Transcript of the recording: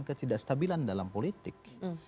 ketidakstabilan dalam politik